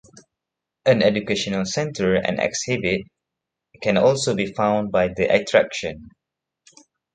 An educational centre and exhibit can also be found by the attraction.